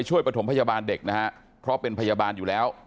ประถมพยาบาลเด็กนะฮะเพราะเป็นพยาบาลอยู่แล้ว